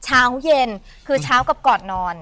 เช้าเย็นคือเช้ากับก่อนนอน